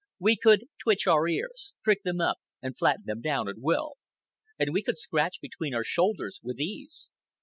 We could twitch our ears, prick them up and flatten them down at will. And we could scratch between our shoulders with ease.